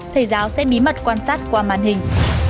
thầy giáo sẽ bí mật quan sát qua màn hình